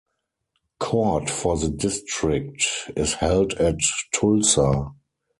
Court for the District is held at Tulsa.